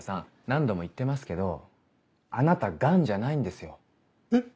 何度も言ってますけどあなた癌じゃないんですよ。えっ？